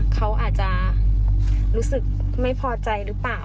เขาอาจจะรู้สึกไม่พอใจหรือเปล่า